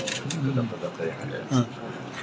seperti dokter dokter yang ada di sana